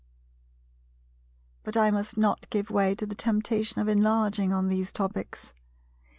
But I must not give way to the temptation of enlarging on these topics.